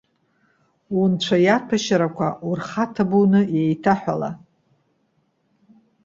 Унцәа иаҭәашьарақәа урхаҭабуны иеиҭаҳәала.